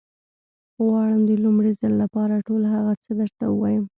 غواړم د لومړي ځل لپاره ټول هغه څه درته ووايم.